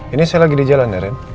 ini saya lagi di jalan ya ren